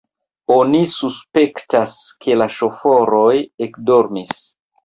Oni suspektas, ke la ŝoforoj ekdormis.